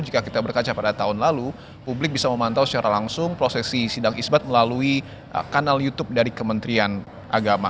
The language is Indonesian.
jika kita berkaca pada tahun lalu publik bisa memantau secara langsung prosesi sidang isbat melalui kanal youtube dari kementerian agama